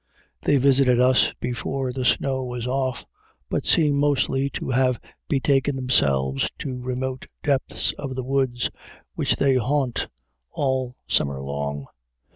They visited us before the snow was off, but seem mostly to have betaken themselves to remote depths of the woods, which they haunt all summer long.